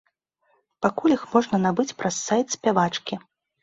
Пакуль іх можна набыць праз сайт спявачкі.